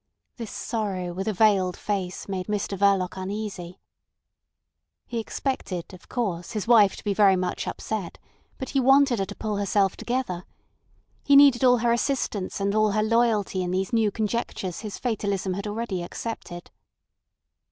This sorrow with a veiled face made Mr Verloc uneasy. He expected, of course, his wife to be very much upset, but he wanted her to pull herself together. He needed all her assistance and all her loyalty in these new conjunctures his fatalism had already accepted.